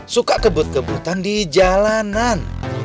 suka kebut kebutan di jalanan